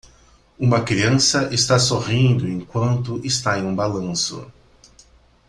Uma criança está sorrindo enquanto está em um balanço.